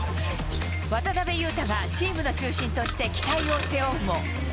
渡邊雄太がチームの中心として期待を背負うも。